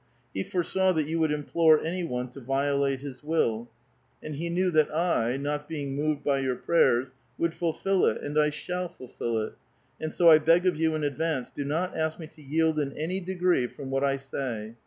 He foresaw that you would implore any one to violate his will, and he knew that I, not being moved by your prayers, would fulfil it, and I shall fulfil it ; and so I beg of you in advance, do not ask me to yield in any degree from what I say.